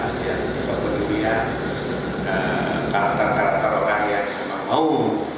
punya kepentingan karakter karakter orang lain yang memang mau